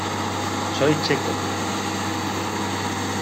Soy checo.